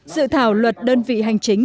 dự thảo luật đơn vị hành chính